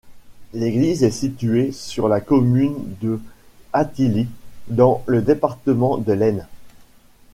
L'église est située sur la commune de Attilly, dans le département de l'Aisne.